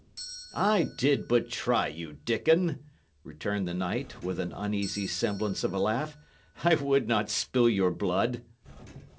"I did but try you, Dickon," returned the knight, with an uneasy semblance of a laugh. "I would not spill your blood."